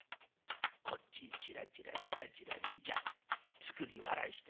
こっちチラチラチラチラ見ちゃ作り笑いして。